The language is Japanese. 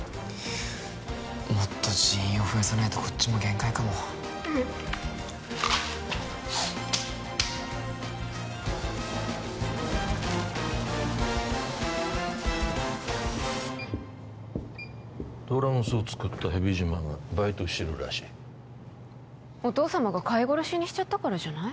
もっと人員を増やさないとこっちも限界かも「ドラ娘」を作った蛇島がバイトしてるらしいお父様が飼い殺しにしちゃったからじゃない？